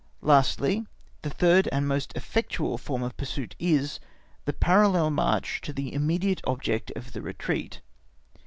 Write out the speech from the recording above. Lastly, the third and most effectual form of pursuit is, the parallel march to the immediate object of the retreat.